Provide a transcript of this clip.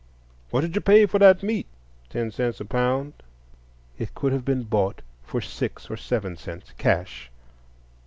"What did you pay for that meat?" "Ten cents a pound." It could have been bought for six or seven cents cash.